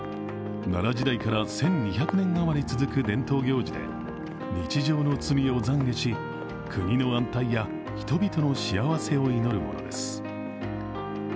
奈良時代から１２００年あまり続く伝統行事で、日常の罪をざんげし国の安泰や人々の幸せを祈るものです。